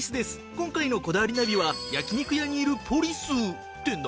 今回の『こだわりナビ』は焼肉屋にいるポリスって何？